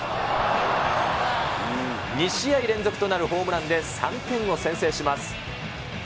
２試合連続となるホームランで３点を先制します。